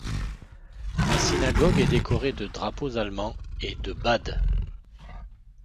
La synagogue est décorée de drapeaux allemands et de Bade.